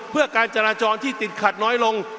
เพื่อการจราจรที่ติดขัดน้อยลง